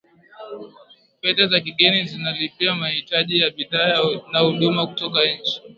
fedha za kigeni zinalipia mahitaji ya bidhaa na huduma kutoka nje